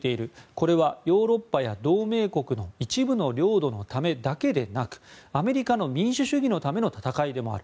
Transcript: これはヨーロッパや同盟国の一部の領土のためだけでなくアメリカの民主主義のための戦いでもある。